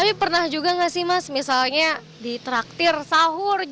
tapi pernah juga gak sih mas misalnya di traktir sahur